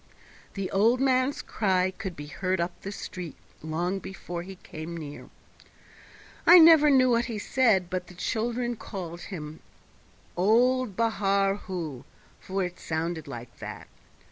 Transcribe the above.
The old man's cry could be heard up the street long before he came near. I never knew what he said, but the children called him "Old Ba a ar Hoo", for it sounded like that.